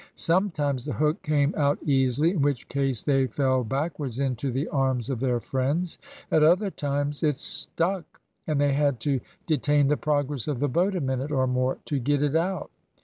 Sometimes the hook came out easily, in which case they fell backwards into the arms of their friends. At other times it stuck, and they had to detain the progress of the boat a minute or more to get it out.